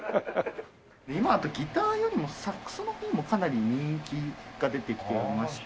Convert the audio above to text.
今だとギターよりもサックスの方もかなり人気が出てきておりまして。